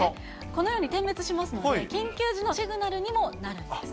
このように点滅しますので、緊急時のシグナルにもなるんです。